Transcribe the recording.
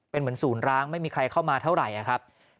เป็นเหมือนศูนย์ร้างไม่มีใครเข้ามาเท่าไหร่ครับ